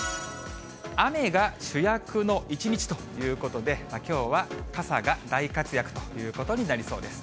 雨が主役の一日ということで、きょうは傘が大活躍ということになりそうです。